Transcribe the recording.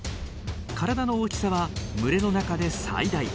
体の大きさは群れの中で最大。